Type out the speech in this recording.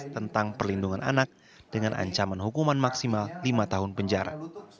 tentang perlindungan anak dengan ancaman hukuman maksimal lima tahun penjara